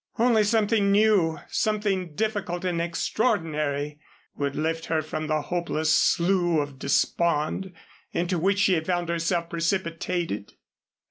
Only something new, something difficult and extraordinary would lift her from the hopeless slough of despond into which she had found herself precipitated.